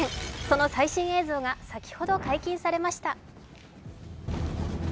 その最新映像が先ほど解禁されました。